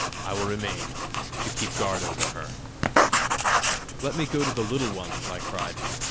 I will remain to keep guard over her." "Let me go to the Little Ones!" I cried.